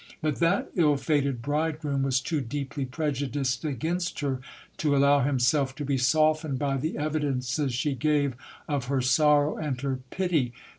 But that ill fated bridegroom was too deeply prejudiced against her, to allow himself to be softened by the evidences she gave of her sorrow and her pity.